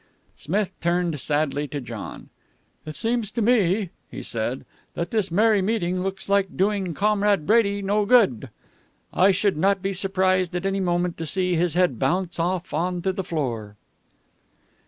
Smith turned sadly to John. "It seems to me," he said, "that this merry meeting looks like doing Comrade Brady no good. I should not be surprised at any moment to see his head bounce off on to the floor."